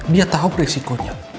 dia tau resikonya